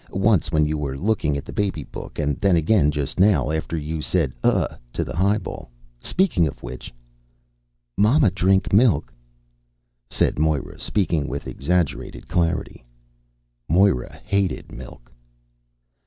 "Once when you were looking at the baby book, and then again just now, after you said ugh to the highball. Speaking of which " "Mama drink milk," said Moira, speaking with exaggerated clarity. Moira hated milk.